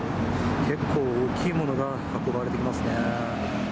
結構大きいものが運ばれていきますね。